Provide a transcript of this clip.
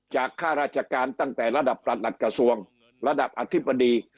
ข้าราชการตั้งแต่ระดับประหลัดกระทรวงระดับอธิบดี